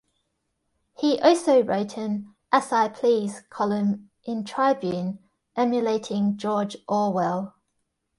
He also wrote an "As I Please" column in "Tribune", emulating George Orwell.